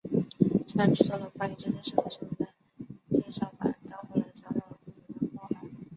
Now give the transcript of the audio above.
虽然制作了关于这件事的说明的介绍板但后来遭到了不明破坏。